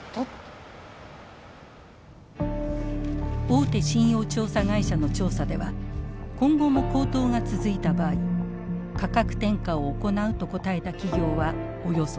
大手信用調査会社の調査では今後も高騰が続いた場合価格転嫁を行うと答えた企業はおよそ３割。